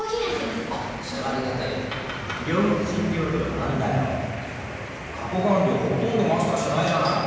何だよ過去完了ほとんどマスターしてないじゃない。